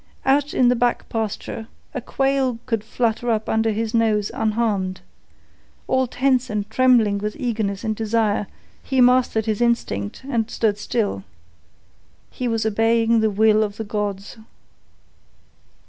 Out in the back pasture, a quail could flutter up under his nose unharmed. All tense and trembling with eagerness and desire, he mastered his instinct and stood still. He was obeying the will of the gods.